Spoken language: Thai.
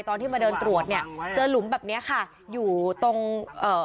ตอนที่มาเดินตรวจเนี่ยเจอหลุมแบบเนี้ยค่ะอยู่ตรงเอ่อ